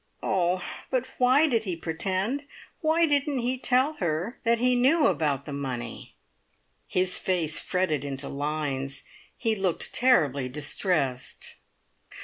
Oh, but why did he pretend? Why didn't he tell her that he knew about the money?" His face fretted into lines. He looked terribly distressed.